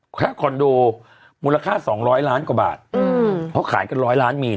แค่คอนโดมูลค่า๒๐๐ล้านกว่าบาทเขาขายกัน๑๐๐ล้านมีหรอ